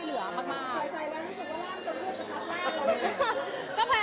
ใส่ใส่แล้วนี่ฉันก็ห้ามชนดูดกระทับแรงเราอยู่นี่